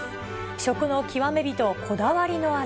食の極め人こだわりの味。